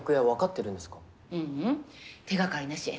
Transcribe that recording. ううん手がかりなし。